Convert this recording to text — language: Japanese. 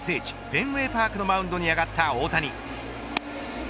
フェンウェイパークのマウンドに上がった大谷。